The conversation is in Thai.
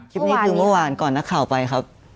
คลิปนี้คือเมื่อวานก่อนนักข่าวไปครับ